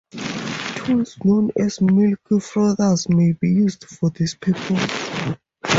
Tools known as milk frothers may be used for this purpose.